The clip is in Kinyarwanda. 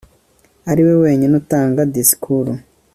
ari we wenyine utanga disikuru